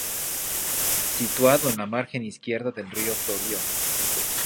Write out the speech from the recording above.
Situado en la margen izquierda del Río Torío.